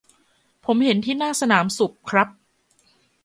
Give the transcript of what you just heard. ผมเห็นที่หน้าสนามศุภครับ